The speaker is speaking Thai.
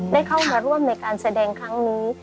ได้เข้ามาร่วมในการแสดงครั้งนี้